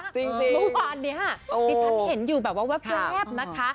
จริงบางวันนี้ฮะมันเห็นอยู่แบบว่าเพียงแอบนะคะ